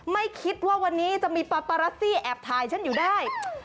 ไม่คิดว่าวันนี้จะมีปาปารัสซี่แอบถ่ายฉันอยู่ได้